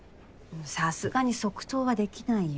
さすがに即答はできないよ。